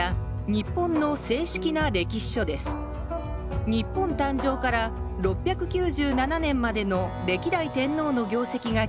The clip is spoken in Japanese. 日本誕生から６９７年までの歴代天皇の業績が記録されています